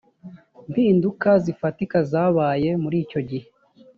mpiduka zifatika zabaye muri icyo gihe